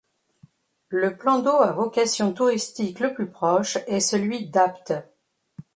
Le plan d'eau à vocation touristique le plus proche est celui d'Apt.